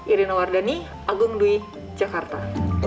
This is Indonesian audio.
irina wardhani agungdui jakarta